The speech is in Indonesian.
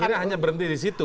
akhirnya hanya berhenti di situ